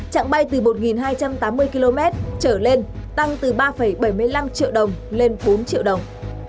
trạng bay từ một hai trăm tám mươi km trở lên tăng từ ba bảy mươi năm triệu đồng lên bốn triệu đồng